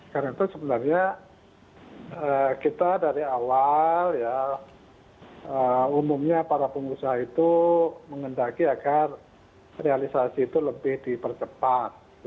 karena itu sebenarnya kita dari awal ya umumnya para pengusaha itu mengendaki agar realisasi itu lebih dipercepat